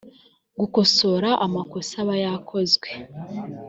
gukosora amakosa aba yakozwe